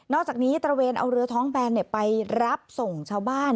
อกจากนี้ตระเวนเอาเรือท้องแบนไปรับส่งชาวบ้าน